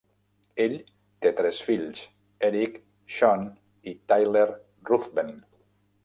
Ell té tres fills, Erik, Sean i Tyler Ruthven.